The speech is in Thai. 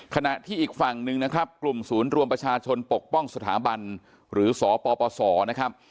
ขณะที่อีกฝั่งหนึ่งนะครับกลุ่มศูนย์รวมประชาชนปกป้องสถาบันหรือสปสนะครับ